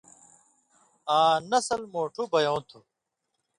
آں نسل مُوٹُھو بَیؤں تُھو۔